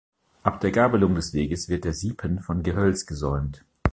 Ab der Gabelung des Weges wird der Siepen von Gehölz gesäumt.